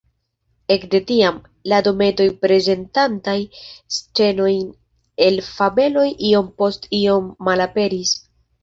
Ekde tiam, la dometoj prezentantaj scenojn el fabeloj iom post iom malaperis.